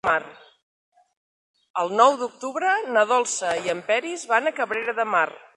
El nou d'octubre na Dolça i en Peris van a Cabrera de Mar.